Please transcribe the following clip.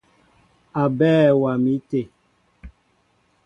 Aɓέɛ waá mi té.